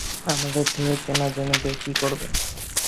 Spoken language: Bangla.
আমাদের থেকে কেনা জমি দিয়ে কী করবে?